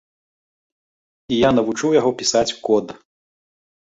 І я навучу яго пісаць код.